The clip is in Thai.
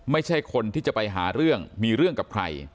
ไม่ใช่คนที่จะไปหาเรื่องมีเรื่องกับใคร